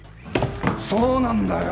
そうなんだよ。